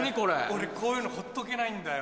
俺こういうのほっとけないんだよ